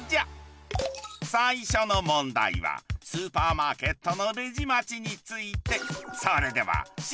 最初の問題はスーパーマーケットのレジ待ちについて。